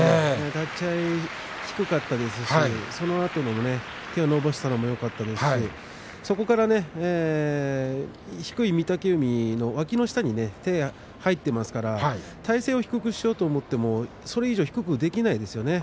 立ち合いが低かったですしそのあと手を伸ばしたのもよかったですしそこから低い御嶽海のわきの下に手が入っていますから体勢を低くしようと思っても御嶽海はそれ以上低くできないんですね。